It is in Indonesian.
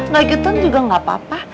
gak ikutan juga gak papa